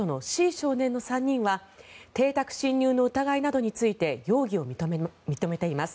少年の３人は邸宅侵入の疑いなどについて容疑を認めています。